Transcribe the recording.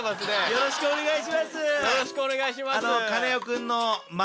よろしくお願いします。